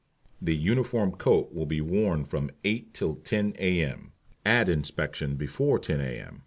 The uniform coat will be worn from 8 till 10 A.M.; at Inspection before 10 A.M.